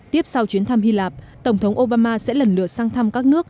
tiếp sau chuyến thăm hy lạp tổng thống obama sẽ lần lượt sang thăm các nước